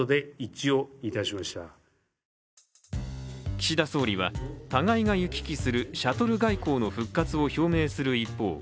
岸田総理は互いが行き来するシャトル外交の復活を表明する一方